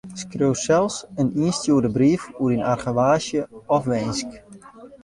Skriuw sels in ynstjoerde brief oer dyn argewaasje of winsk.